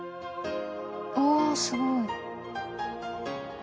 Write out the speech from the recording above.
あすごい。